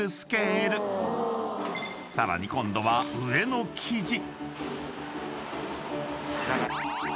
［さらに今度は上の生地］